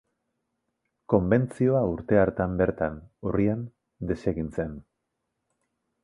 Konbentzioa urte hartan bertan, urrian, desegin zen.